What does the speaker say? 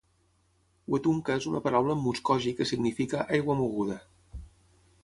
"Wetumka" és una paraula en muskogi que significa "aigua moguda".